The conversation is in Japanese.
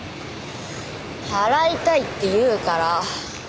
払いたいって言うから。